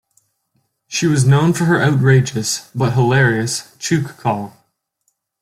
She was known for her outrageous, but hilarious "Chook Call".